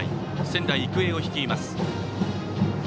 仙台育英を率います。